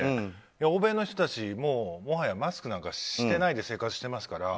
欧米の人たちはもはやマスクなんかしないで生活してますから。